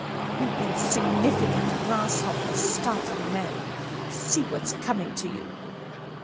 "You insignificant grasshoppers, startling a man! See what's coming to you!"